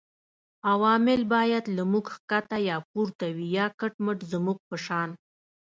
عوامل باید له موږ ښکته یا پورته وي یا کټ مټ زموږ په شان